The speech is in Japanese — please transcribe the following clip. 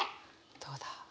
どうだ？